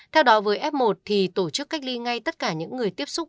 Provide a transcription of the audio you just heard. theo đó với f một thì tổ chức cách ly ngay tất cả những người tiếp xúc